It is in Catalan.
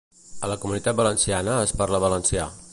A la Comunitat Valenciana es parla valencià.